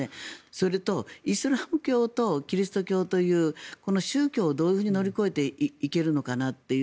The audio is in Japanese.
それと、イスラム教とキリスト教という宗教をどういうふうに乗り越えていけるのかなという。